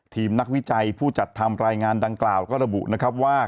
ทีมนักวิจัยผู้จัดทำรายงานดังกล่าวก็ระบุนะครับว่า